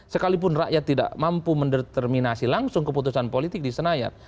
sekalipun rakyat tidak mampu mendeterminasi langsung keputusan politik di senayan